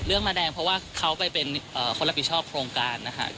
มาแดงเพราะว่าเขาไปเป็นคนรับผิดชอบโครงการนะคะ